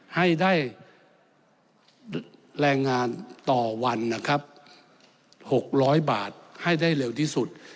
ให้ได้แรงงานต่อวันนะครับ๖๐๐บาทให้ได้เร็วที่สุด